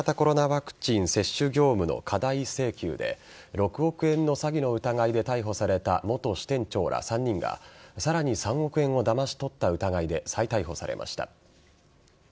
ワクチン接種業務の過大請求で６億円の詐欺の疑いで逮捕された元支店長ら３人がさらに３億円をだまし取った疑いで再逮捕されました。